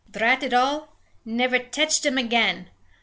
"Drat it all! Never tetched 'im again.